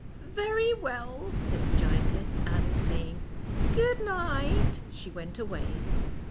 " Very well," said the giantess, and, saying " good night," she went away.